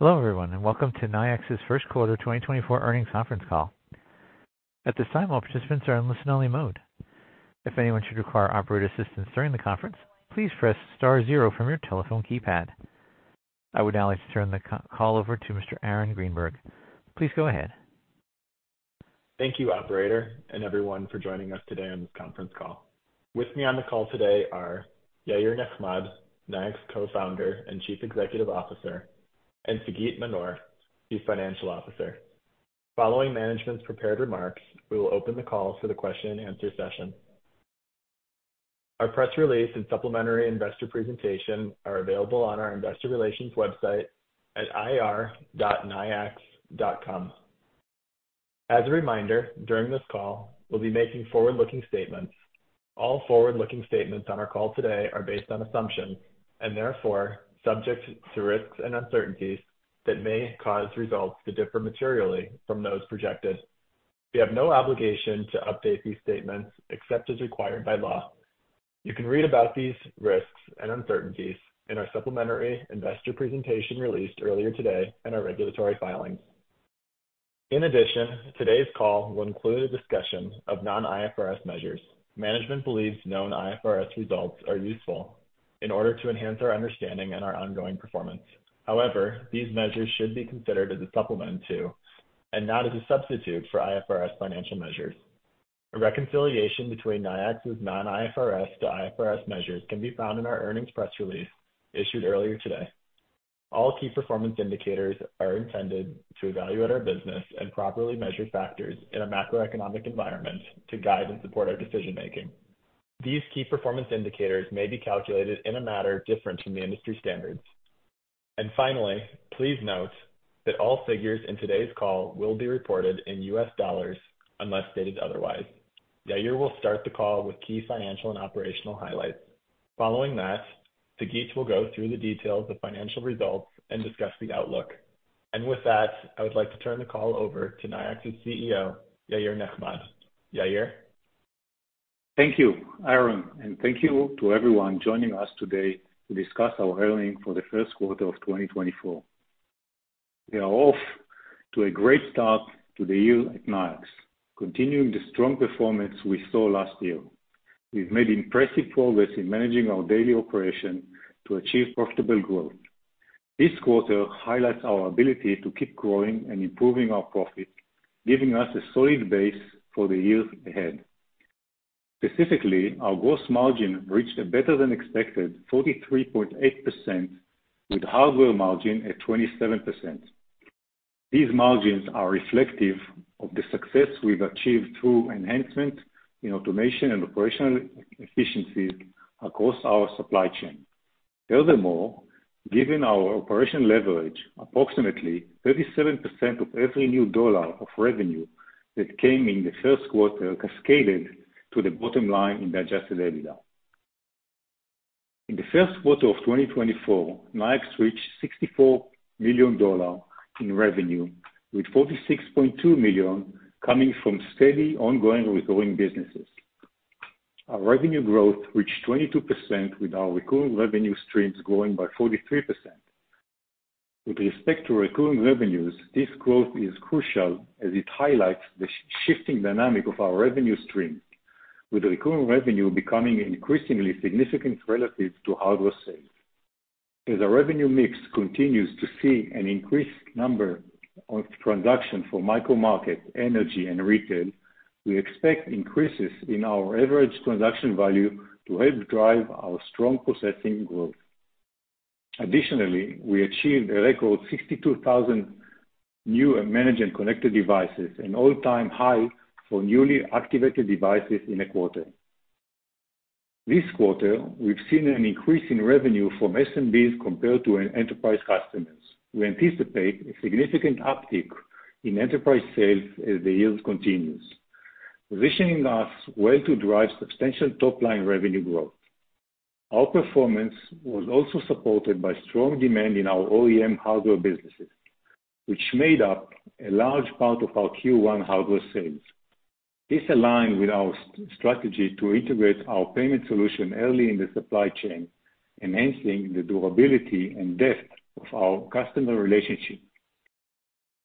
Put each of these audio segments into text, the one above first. Hello everyone, and welcome to Nayax's first quarter 2024 earnings conference call. At this time, all participants are in listen-only mode. If anyone should require operator assistance during the conference, please press star zero from your telephone keypad. I would now like to turn the call over to Mr. Aaron Greenberg. Please go ahead. Thank you, operator, and everyone for joining us today on this conference call. With me on the call today are Yair Nechmad, Nayax co-founder and Chief Executive Officer, and Sagit Manor, Chief Financial Officer. Following management's prepared remarks, we will open the call for the question-and-answer session. Our press release and supplementary investor presentation are available on our Investor Relations website at ir.nayax.com. As a reminder, during this call, we'll be making forward-looking statements. All forward-looking statements on our call today are based on assumptions and therefore subject to risks and uncertainties that may cause results to differ materially from those projected. We have no obligation to update these statements except as required by law. You can read about these risks and uncertainties in our supplementary investor presentation released earlier today and our regulatory filings. In addition, today's call will include a discussion of non-IFRS measures. Management believes non-IFRS results are useful in order to enhance our understanding and our ongoing performance. However, these measures should be considered as a supplement to and not as a substitute for IFRS financial measures. A reconciliation between Nayax's Non-IFRS to IFRS measures can be found in our earnings press release issued earlier today. All key performance indicators are intended to evaluate our business and properly measure factors in a macroeconomic environment to guide and support our decision-making. These key performance indicators may be calculated in a manner different from the industry standards. Finally, please note that all figures in today's call will be reported in U.S. dollars unless stated otherwise. Yair will start the call with key financial and operational highlights. Following that, Sagit will go through the details of financial results and discuss the outlook. With that, I would like to turn the call over to Nayax's CEO, Yair Nechmad. Yair? Thank you, Aaron, and thank you to everyone joining us today to discuss our earnings for the first quarter of 2024. We are off to a great start to the year at Nayax, continuing the strong performance we saw last year. We've made impressive progress in managing our daily operation to achieve profitable growth. This quarter highlights our ability to keep growing and improving our profits, giving us a solid base for the years ahead. Specifically, our gross margin reached a better-than-expected 43.8% with hardware margin at 27%. These margins are reflective of the success we've achieved through enhancements in automation and operational efficiencies across our supply chain. Furthermore, given our operational leverage, approximately 37% of every new dollar of revenue that came in the first quarter cascaded to the bottom line in the adjusted EBITDA. In the first quarter of 2024, Nayax reached $64 million in revenue, with $46.2 million coming from steady, ongoing recurring businesses. Our revenue growth reached 22% with our recurring revenue streams growing by 43%. With respect to recurring revenues, this growth is crucial as it highlights the shifting dynamic of our revenue streams, with recurring revenue becoming increasingly significant relative to hardware sales. As our revenue mix continues to see an increased number of transactions for Micro Market, energy, and retail, we expect increases in our average transaction value to help drive our strong processing growth. Additionally, we achieved a record 62,000 new managed and connected devices, an all-time high for newly activated devices in a quarter. This quarter, we've seen an increase in revenue from SMBs compared to enterprise customers. We anticipate a significant uptick in enterprise sales as the year continues, positioning us well to drive substantial top-line revenue growth. Our performance was also supported by strong demand in our OEM hardware businesses, which made up a large part of our Q1 hardware sales. This aligned with our strategy to integrate our payment solution early in the supply chain, enhancing the durability and depth of our customer relationship.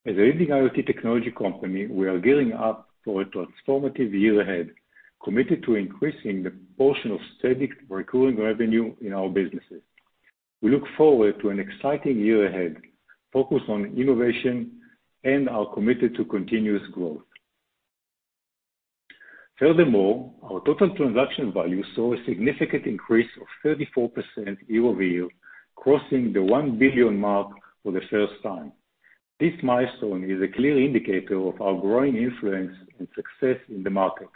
As a leading IoT technology company, we are gearing up for a transformative year ahead, committed to increasing the portion of steady recurring revenue in our businesses. We look forward to an exciting year ahead, focused on innovation, and are committed to continuous growth. Furthermore, our total transaction value saw a significant increase of 34% year-over-year, crossing the $1 billion mark for the first time. This milestone is a clear indicator of our growing influence and success in the market.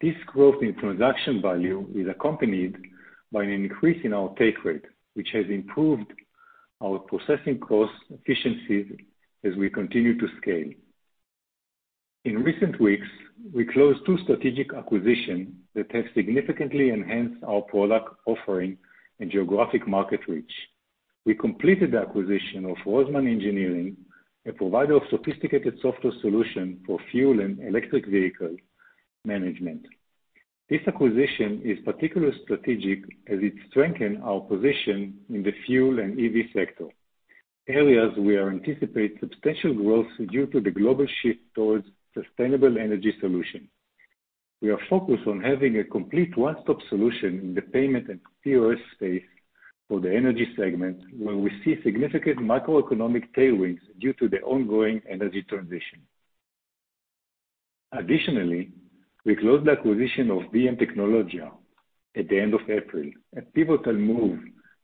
This growth in transaction value is accompanied by an increase in our take rate, which has improved our processing cost efficiencies as we continue to scale. In recent weeks, we closed two strategic acquisitions that have significantly enhanced our product offering and geographic market reach. We completed the acquisition of Roseman Engineering, a provider of sophisticated software solutions for fuel and electric vehicle management. This acquisition is particularly strategic as it strengthens our position in the fuel and EV sector, areas where we anticipate substantial growth due to the global shift towards sustainable energy solutions. We are focused on having a complete one-stop solution in the payment and POS space for the energy segment, where we see significant macroeconomic tailwinds due to the ongoing energy transition. Additionally, we closed the acquisition of VMtecnologia at the end of April, a pivotal move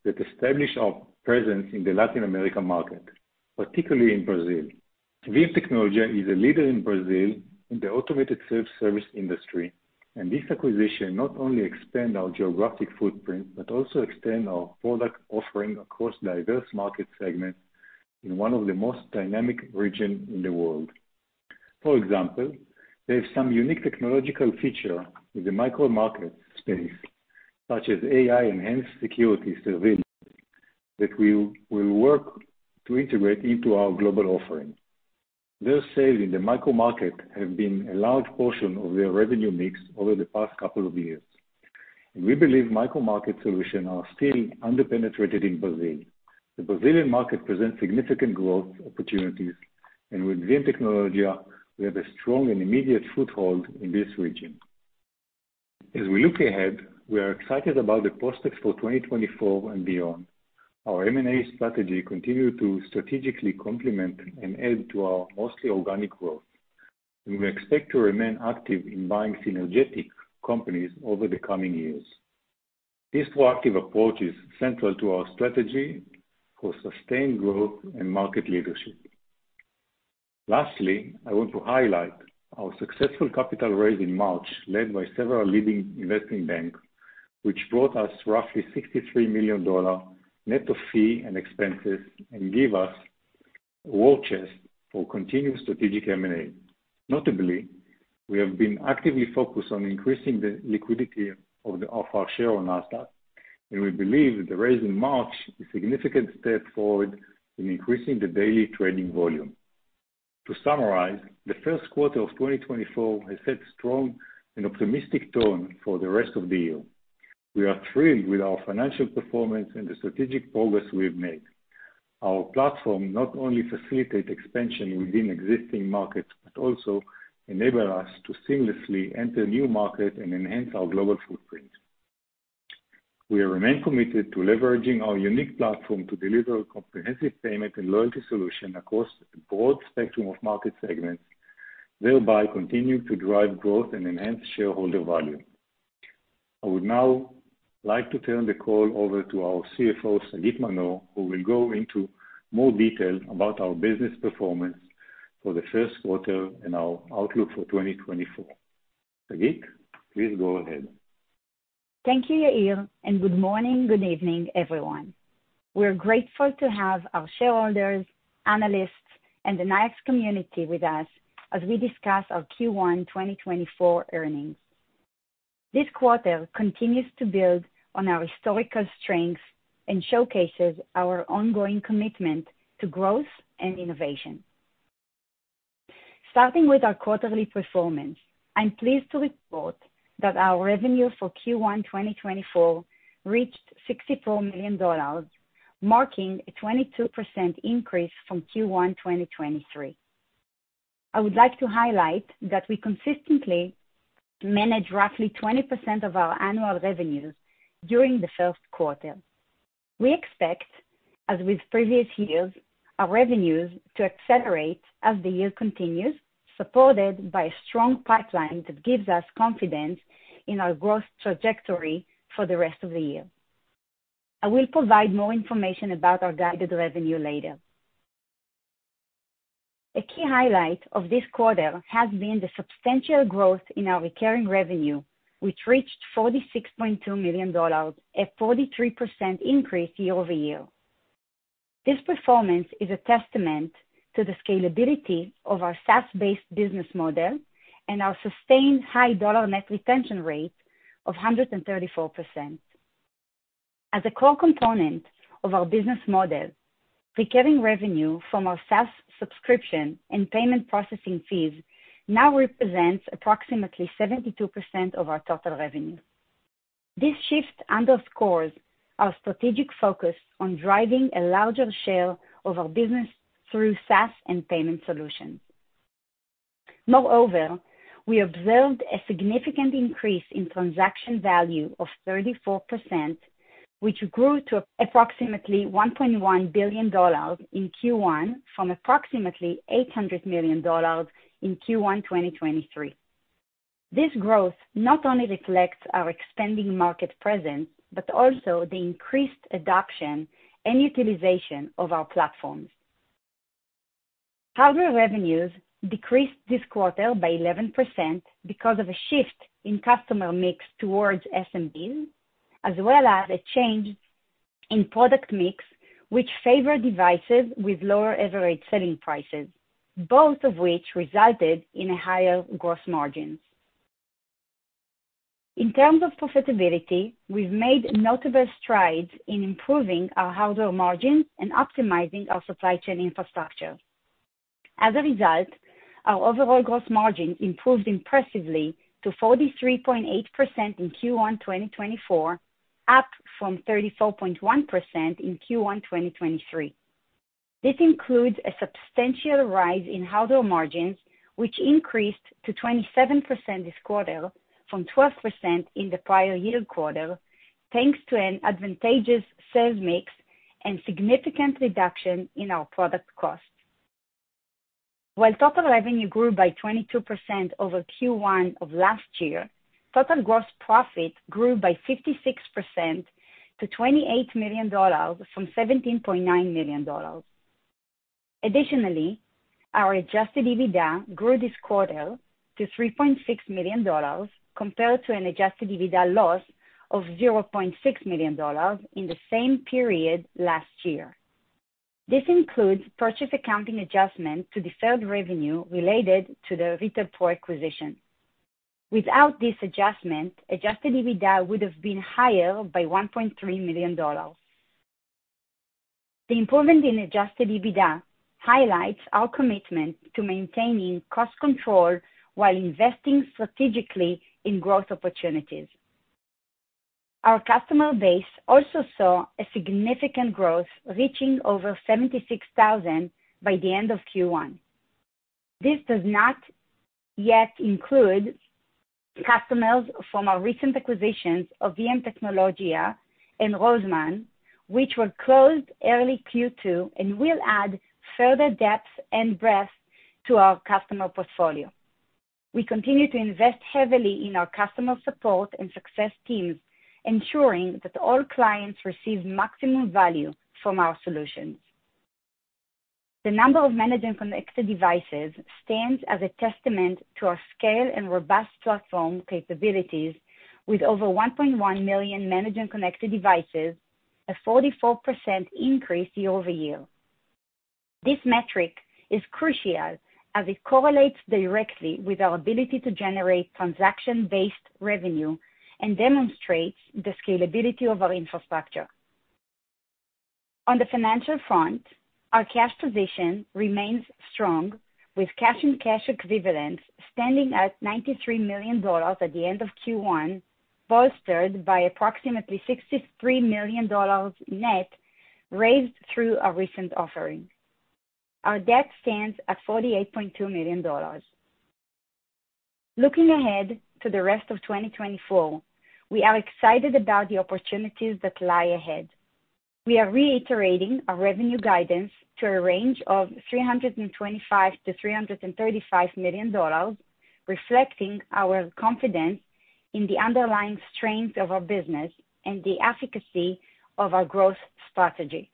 that established our presence in the Latin American market, particularly in Brazil. VMtecnologia is a leader in Brazil in the automated self-service industry, and this acquisition not only expands our geographic footprint but also extends our product offering across diverse market segments in one of the most dynamic regions in the world. For example, they have some unique technological features in the Micro Market space, such as AI-enhanced security surveillance, that we will work to integrate into our global offering. Their sales in the Micro Market have been a large portion of their revenue mix over the past couple of years, and we believe Micro Market solutions are still under-penetrated in Brazil. The Brazilian market presents significant growth opportunities, and with VMtecnologia, we have a strong and immediate foothold in this region. As we look ahead, we are excited about the prospects for 2024 and beyond. Our M&A strategy continues to strategically complement and add to our mostly organic growth, and we expect to remain active in buying synergetic companies over the coming years. These proactive approaches are central to our strategy for sustained growth and market leadership. Lastly, I want to highlight our successful capital raise in March, led by several leading investment banks, which brought us roughly $63 million net of fees and expenses and gave us a war chest for continued strategic M&A. Notably, we have been actively focused on increasing the liquidity of our share on NASDAQ, and we believe the raise in March is a significant step forward in increasing the daily trading volume. To summarize, the first quarter of 2024 has set a strong and optimistic tone for the rest of the year. We are thrilled with our financial performance and the strategic progress we've made. Our platforms not only facilitate expansion within existing markets but also enable us to seamlessly enter new markets and enhance our global footprint. We remain committed to leveraging our unique platform to deliver a comprehensive payment and loyalty solution across a broad spectrum of market segments, thereby continuing to drive growth and enhance shareholder value. I would now like to turn the call over to our CFO, Sagit Manor, who will go into more detail about our business performance for the first quarter and our outlook for 2024. Sagit, please go ahead. Thank you, Yair, and good morning, good evening, everyone. We're grateful to have our shareholders, analysts, and the Nayax community with us as we discuss our Q1 2024 earnings. This quarter continues to build on our historical strengths and showcases our ongoing commitment to growth and innovation. Starting with our quarterly performance, I'm pleased to report that our revenue for Q1 2024 reached $64 million, marking a 22% increase from Q1 2023. I would like to highlight that we consistently manage roughly 20% of our annual revenues during the first quarter. We expect, as with previous years, our revenues to accelerate as the year continues, supported by a strong pipeline that gives us confidence in our growth trajectory for the rest of the year. I will provide more information about our guided revenue later. A key highlight of this quarter has been the substantial growth in our recurring revenue, which reached $46.2 million, a 43% increase year-over-year. This performance is a testament to the scalability of our SaaS-based business model and our sustained high dollar net retention rate of 134%. As a core component of our business model, recurring revenue from our SaaS subscription and payment processing fees now represents approximately 72% of our total revenue. This shift underscores our strategic focus on driving a larger share of our business through SaaS and payment solutions. Moreover, we observed a significant increase in transaction value of 34%, which grew to approximately $1.1 billion in Q1 from approximately $800 million in Q1 2023. This growth not only reflects our expanding market presence but also the increased adoption and utilization of our platforms. Hardware revenues decreased this quarter by 11% because of a shift in customer mix towards SMBs, as well as a change in product mix, which favored devices with lower average selling prices, both of which resulted in higher gross margins. In terms of profitability, we've made notable strides in improving our hardware margins and optimizing our supply chain infrastructure. As a result, our overall gross margin improved impressively to 43.8% in Q1 2024, up from 34.1% in Q1 2023. This includes a substantial rise in hardware margins, which increased to 27% this quarter from 12% in the prior year quarter, thanks to an advantageous sales mix and significant reduction in our product costs. While total revenue grew by 22% over Q1 of last year, total gross profit grew by 56% to $28 million from $17.9 million. Additionally, our adjusted EBITDA grew this quarter to $3.6 million compared to an adjusted EBITDA loss of $0.6 million in the same period last year. This includes purchase accounting adjustments to deferred revenue related to the Retail Pro acquisition. Without this adjustment, adjusted EBITDA would have been higher by $1.3 million. The improvement in adjusted EBITDA highlights our commitment to maintaining cost control while investing strategically in growth opportunities. Our customer base also saw a significant growth reaching over 76,000 by the end of Q1. This does not yet include customers from our recent acquisitions of VMtecnologia and Roseman Engineering, which were closed early Q2 and will add further depth and breadth to our customer portfolio. We continue to invest heavily in our customer support and success teams, ensuring that all clients receive maximum value from our solutions. The number of managed and connected devices stands as a testament to our scale and robust platform capabilities, with over 1.1 million managed and connected devices, a 44% increase year-over-year. This metric is crucial as it correlates directly with our ability to generate transaction-based revenue and demonstrates the scalability of our infrastructure. On the financial front, our cash position remains strong, with cash and cash equivalents standing at $93 million at the end of Q1, bolstered by approximately $63 million net raised through our recent offering. Our debt stands at $48.2 million. Looking ahead to the rest of 2024, we are excited about the opportunities that lie ahead. We are reiterating our revenue guidance to a range of $325-$335 million, reflecting our confidence in the underlying strengths of our business and the efficacy of our growth strategy.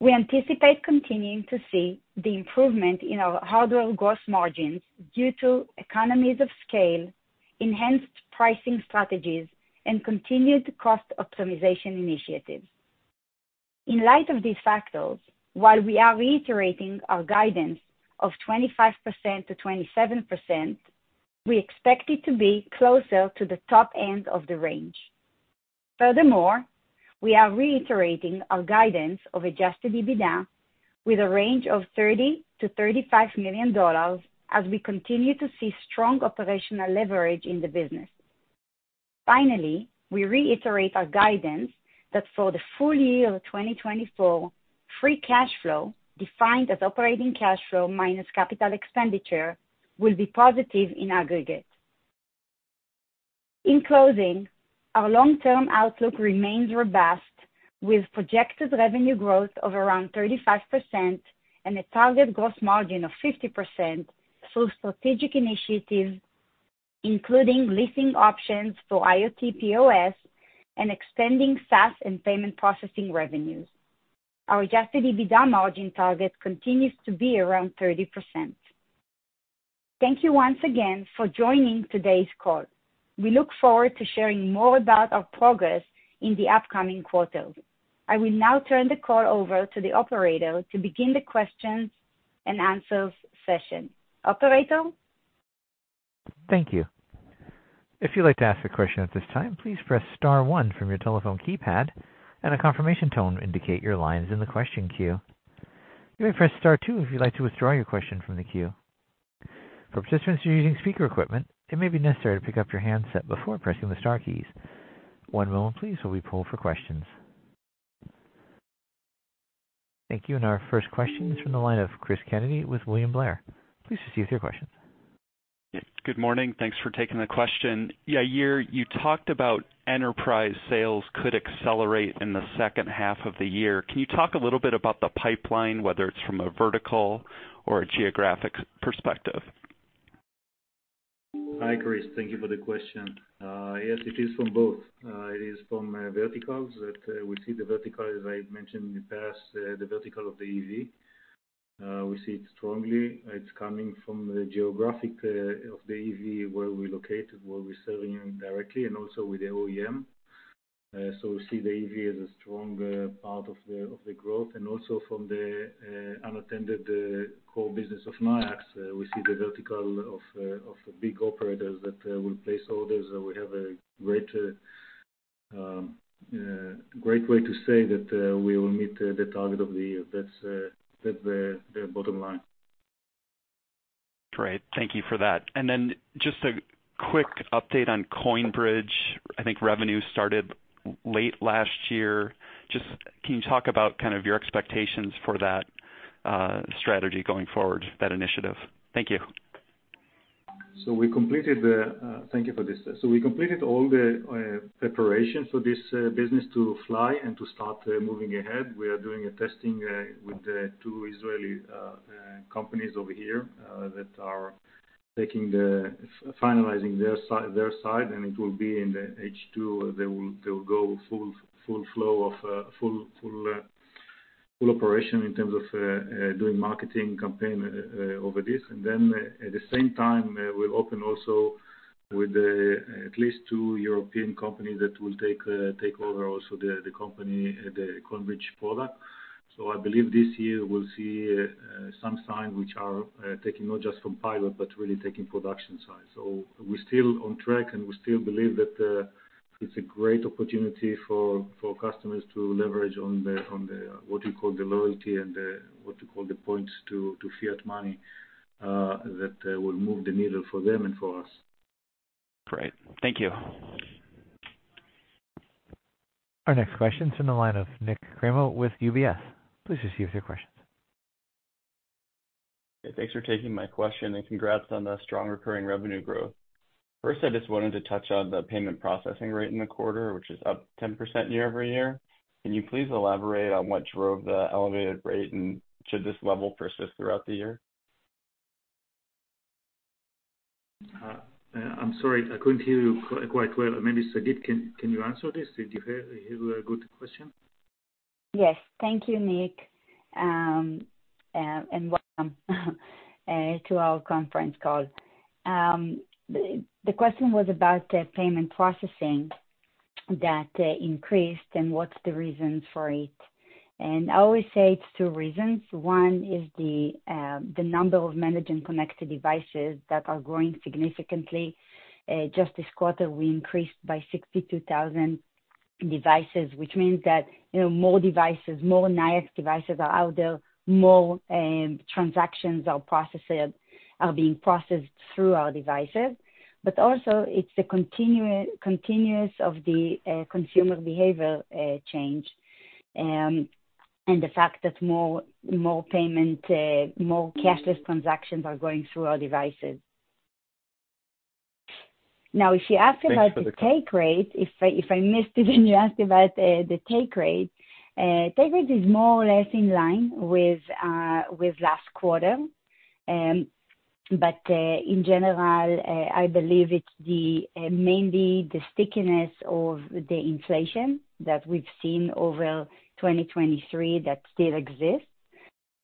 We anticipate continuing to see the improvement in our hardware gross margins due to economies of scale, enhanced pricing strategies, and continued cost optimization initiatives. In light of these factors, while we are reiterating our guidance of 25%-27%, we expect it to be closer to the top end of the range. Furthermore, we are reiterating our guidance of adjusted EBITDA with a range of $30-$35 million as we continue to see strong operational leverage in the business. Finally, we reiterate our guidance that for the full year of 2024, free cash flow, defined as operating cash flow minus capital expenditure, will be positive in aggregate. In closing, our long-term outlook remains robust, with projected revenue growth of around 35% and a target gross margin of 50% through strategic initiatives, including leasing options for IoT POS and expanding SaaS and payment processing revenues. Our adjusted EBITDA margin target continues to be around 30%. Thank you once again for joining today's call. We look forward to sharing more about our progress in the upcoming quarters. I will now turn the call over to the operator to begin the questions and answers session. Operator? Thank you. If you'd like to ask a question at this time, please press star one from your telephone keypad, and a confirmation tone will indicate your line is in the question queue. You may press star two if you'd like to withdraw your question from the queue. For participants who are using speaker equipment, it may be necessary to pick up your handset before pressing the star keys. One moment, please, while we pull for questions. Thank you. Our first question is from the line of Cris Kennedy with William Blair. Please proceed with your questions. Yeah. Good morning. Thanks for taking the question. Yeah, Yair, you talked about enterprise sales could accelerate in the second half of the year. Can you talk a little bit about the pipeline, whether it's from a vertical or a geographic perspective? Hi, Cris. Thank you for the question. Yes, it is from both. It is from verticals that we see the vertical, as I mentioned in the past, the vertical of the EV. We see it strongly. It's coming from the geographic of the EV where we're located, where we're serving directly, and also with the OEM. So we see the EV as a strong part of the growth. And also from the unattended core business of Nayax, we see the vertical of big operators that will place orders. We have a great way to say that we will meet the target of the year. That's the bottom line. Great. Thank you for that. And then just a quick update on CoinBridge. I think revenue started late last year. Just can you talk about kind of your expectations for that strategy going forward, that initiative? Thank you. We completed the thank you for this. We completed all the preparations for this business to fly and to start moving ahead. We are doing a testing with two Israeli companies over here that are finalizing their side, and it will be in the H2. They will go full flow of full operation in terms of doing marketing campaign over this. Then at the same time, we'll open also with at least two European companies that will take over also the CoinBridge product. I believe this year we'll see some signs which are taking not just from pilot but really taking production side. We're still on track, and we still believe that it's a great opportunity for customers to leverage on what you call the loyalty and what you call the points to fiat money that will move the needle for them and for us. Great. Thank you. Our next question's in the line of Nik Cremo with UBS. Please proceed with your questions. Thanks for taking my question, and congrats on the strong recurring revenue growth. First, I just wanted to touch on the payment processing rate in the quarter, which is up 10% year-over-year. Can you please elaborate on what drove the elevated rate, and should this level persist throughout the year? I'm sorry. I couldn't hear you quite well. Maybe Sagit, can you answer this? Did you hear a good question? Yes. Thank you, Nik, and welcome to our conference call. The question was about payment processing that increased and what's the reasons for it. And I always say it's two reasons. One is the number of managed and connected devices that are growing significantly. Just this quarter, we increased by 62,000 devices, which means that more devices, more Nayax devices are out there, more transactions are being processed through our devices. But also, it's the continuous of the consumer behavior change and the fact that more cashless transactions are going through our devices. Now, if you ask about the take rate, if I missed it and you asked about the take rate, take rate is more or less in line with last quarter. In general, I believe it's mainly the stickiness of the inflation that we've seen over 2023 that still exists,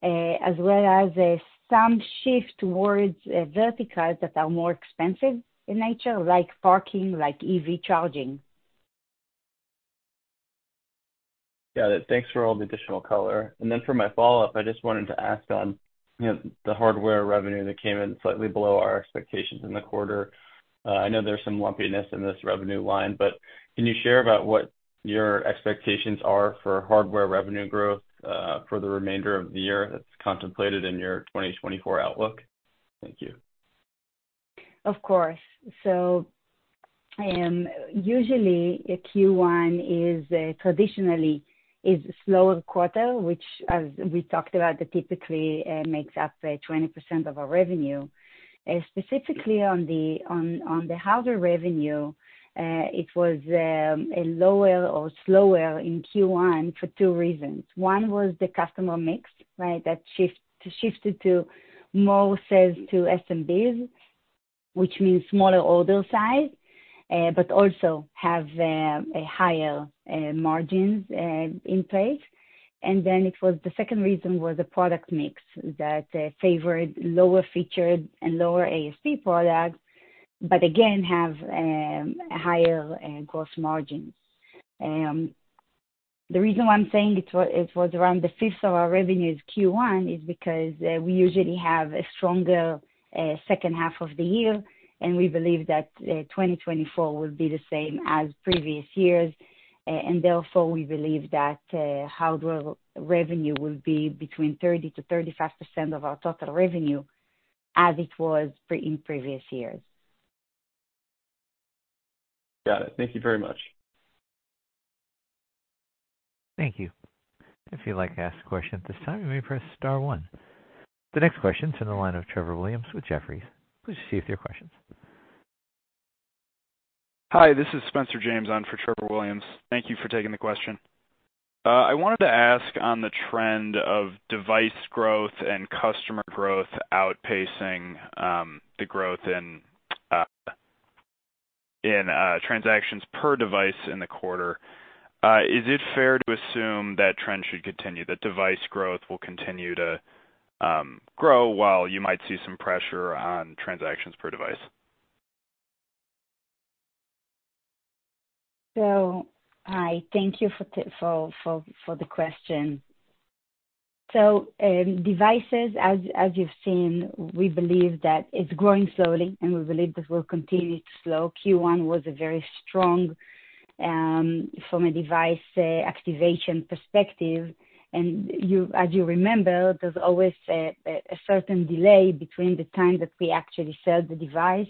as well as some shift towards verticals that are more expensive in nature, like parking, like EV charging. Got it. Thanks for all the additional color. And then for my follow-up, I just wanted to ask on the hardware revenue that came in slightly below our expectations in the quarter. I know there's some lumpiness in this revenue line, but can you share about what your expectations are for hardware revenue growth for the remainder of the year that's contemplated in your 2024 outlook? Thank you. Of course. So usually, Q1 traditionally is a slower quarter, which, as we talked about, typically makes up 20% of our revenue. Specifically on the hardware revenue, it was lower or slower in Q1 for two reasons. One was the customer mix, right, that shifted to more sales to SMBs, which means smaller order size but also have higher margins in place. And then the second reason was the product mix that favored lower-featured and lower ASP products but, again, have higher gross margins. The reason why I'm saying it was around the fifth of our revenues Q1 is because we usually have a stronger second half of the year, and we believe that 2024 will be the same as previous years. And therefore, we believe that hardware revenue will be between 30%-35% of our total revenue as it was in previous years. Got it. Thank you very much. Thank you. If you'd like to ask a question at this time, you may press star one. The next question is from the line of Trevor Williams with Jefferies. Please proceed with your question. Hi. This is Spencer James on for Trevor Williams. Thank you for taking the question. I wanted to ask on the trend of device growth and customer growth outpacing the growth in transactions per device in the quarter. Is it fair to assume that trend should continue, that device growth will continue to grow while you might see some pressure on transactions per device? Hi. Thank you for the question. Devices, as you've seen, we believe that it's growing slowly, and we believe this will continue to slow. Q1 was very strong from a device activation perspective. As you remember, there's always a certain delay between the time that we actually sell the device.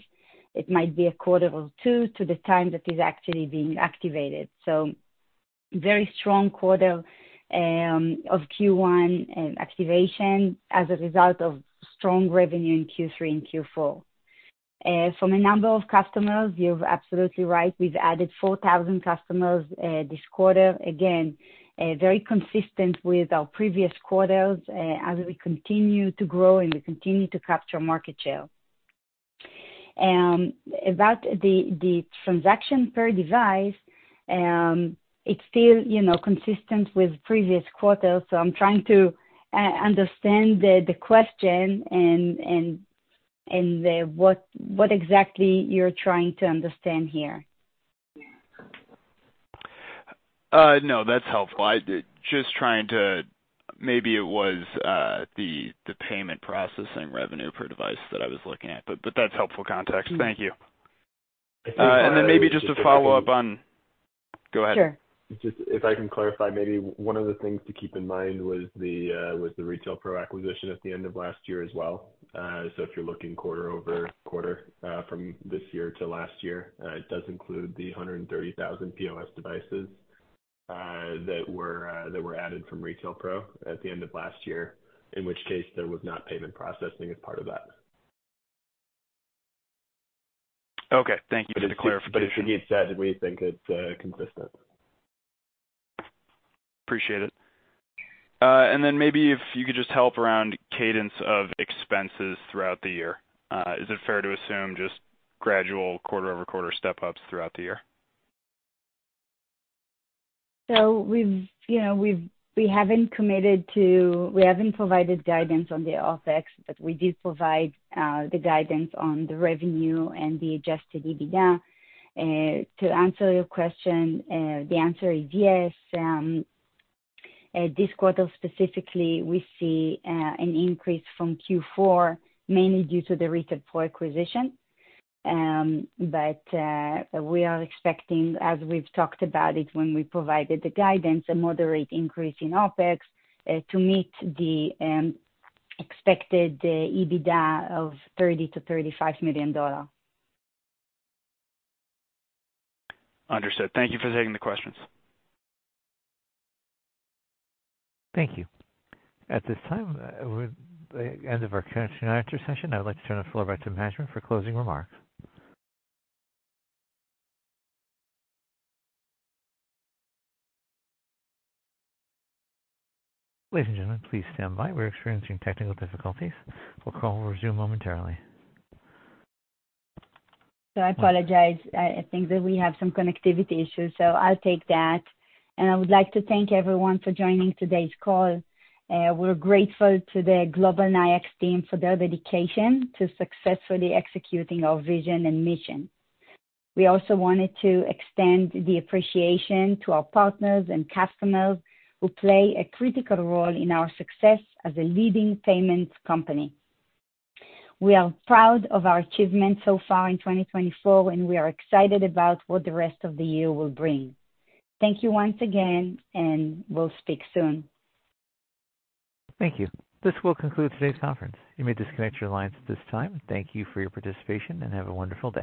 It might be a quarter or two to the time that it's actually being activated. Very strong quarter of Q1 activation as a result of strong revenue in Q3 and Q4. From a number of customers, you're absolutely right. We've added 4,000 customers this quarter, again, very consistent with our previous quarters as we continue to grow and we continue to capture market share. About the transaction per device, it's still consistent with previous quarters. I'm trying to understand the question and what exactly you're trying to understand here. No, that's helpful. I was just trying to maybe it was the payment processing revenue per device that I was looking at, but that's helpful context. Thank you. And then maybe just a follow-up on go ahead. Sure. If I can clarify, maybe one of the things to keep in mind was the Retail Pro acquisition at the end of last year as well. So if you're looking quarter over quarter from this year to last year, it does include the 130,000 POS devices that were added from Retail Pro at the end of last year, in which case there was not payment processing as part of that. Okay. Thank you for the clarification. But it should be said that we think it's consistent. Appreciate it. And then maybe if you could just help around cadence of expenses throughout the year. Is it fair to assume just gradual quarter-over-quarter step-ups throughout the year? So we haven't provided guidance on the OpEx, but we did provide the guidance on the revenue and the adjusted EBITDA. To answer your question, the answer is yes. This quarter specifically, we see an increase from Q4 mainly due to the Retail Pro acquisition. But we are expecting, as we've talked about it when we provided the guidance, a moderate increase in OpEx to meet the expected EBITDA of $30 million-$35 million. Understood. Thank you for taking the questions. Thank you. At this time, the end of our question and answer session. I would like to turn the floor back to management for closing remarks. Ladies and gentlemen, please stand by. We're experiencing technical difficulties. We'll call or resume momentarily. So I apologize. I think that we have some connectivity issues, so I'll take that. And I would like to thank everyone for joining today's call. We're grateful to the global Nayax team for their dedication to successfully executing our vision and mission. We also wanted to extend the appreciation to our partners and customers who play a critical role in our success as a leading payments company. We are proud of our achievements so far in 2024, and we are excited about what the rest of the year will bring. Thank you once again, and we'll speak soon. Thank you. This will conclude today's conference. You may disconnect your lines at this time. Thank you for your participation, and have a wonderful day.